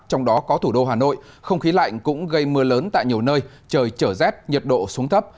trong đó có thủ đô hà nội không khí lạnh cũng gây mưa lớn tại nhiều nơi trời trở rét nhiệt độ xuống thấp